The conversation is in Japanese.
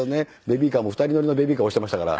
ベビーカーも２人乗りのベビーカー押していましたから。